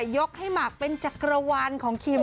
ยกให้หมากเป็นจักรวาลของคิม